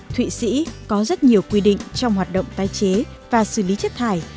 thụy sĩ có rất nhiều quy định trong hoạt động tái chế và xử lý chất thải